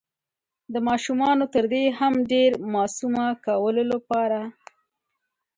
د ماشومانو تر دې هم ډير معصومه کولو لپاره